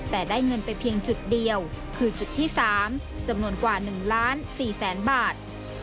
แต่ได้เงินไปเพียงจุดเดียวคือจุดที่๓จำนวนกว่า๑ล้าน๔แสนบาท